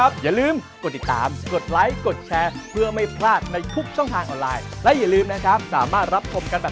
สวัสดีครับ